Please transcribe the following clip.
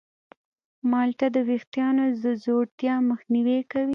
مالټه د ویښتانو د ځوړتیا مخنیوی کوي.